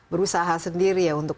berusaha sendiri ya untuk